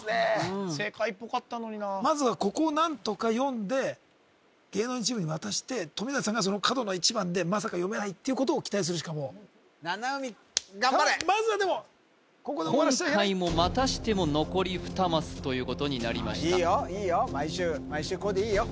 正解っぽかったのになまずはここを何とか読んで芸能人チームに渡して富永さんがその角の１番でまさか読めないっていうことを期待するしかもう七海頑張れまずはでもここで終わらしちゃ今回もまたしても残り２マスということになりましたいいよいいよ